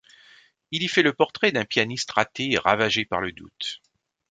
Il y fait le portrait d'un pianiste raté et ravagé par le doute.